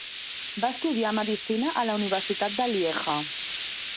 Va estudiar medicina a la Universitat de Lieja.